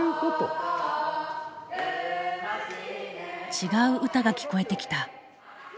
違う歌が聞こえてきた。